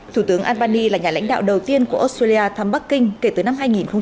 thủ tướng albani là nhà lãnh đạo đầu tiên của australia thăm bắc kinh kể từ năm hai nghìn một mươi